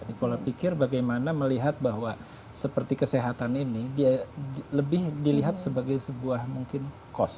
ini pola pikir bagaimana melihat bahwa seperti kesehatan ini lebih dilihat sebagai sebuah mungkin cost